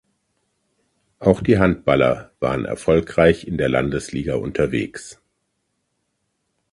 Auch die Handballer waren erfolgreich in der Landesliga unterwegs.